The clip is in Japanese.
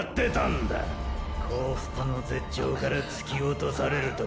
「幸福の絶頂から突き落とされる時！」